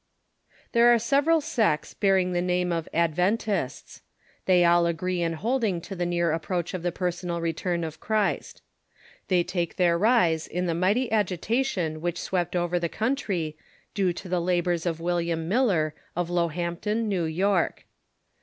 There are several sects bearing the name of Adventists. Thev all agree in holding to the near approach of the personal return of Christ. They take their rise in the mighty The Second r^tritation which swept over the country, due to the Adventists ^.'.•'' labors of AVilliam Miller, of Low Hampton, New York.